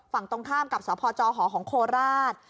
ฝั่งตรงข้ามกับสพจหของโคราช